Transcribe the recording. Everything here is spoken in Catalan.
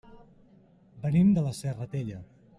Venim de la Serratella.